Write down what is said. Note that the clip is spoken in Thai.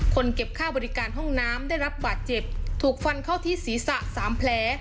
เก็บค่าบริการห้องน้ำได้รับบาดเจ็บถูกฟันเข้าที่ศีรษะสามแผล